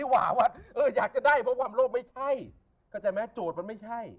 อยากจะได้เพราะว่าไม่ใช่โจทย์มันไม่ใช่